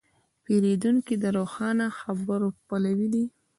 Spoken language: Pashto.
پیرودونکی د روښانه خبرو پلوی دی.